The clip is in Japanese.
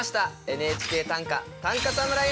「ＮＨＫ短歌短歌侍への道」！